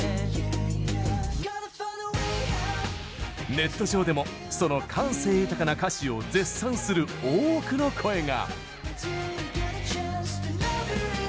ネット上でもその感性豊かな歌詞を絶賛する多くの声が！